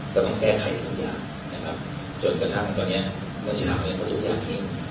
ก็มันแท่ใครทุกอย่างจนกระทั่งตอนนี้เมื่อเช้าเราก็ต้องอย่างนี้